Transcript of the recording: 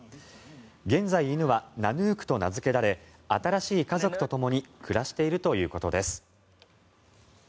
現在、犬はナヌークと名付けられ新しい家族とともに暮らしているということです。